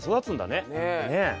ねえ。